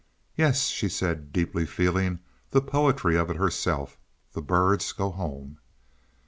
"Yes," she said, deeply feeling the poetry of it herself, "the birds go home."